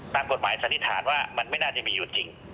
ตามกฎหมายสันนิษฐานว่ามันไม่น่าจะมีอยู่จริง